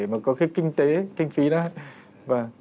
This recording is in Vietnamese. mà có cái kinh tế này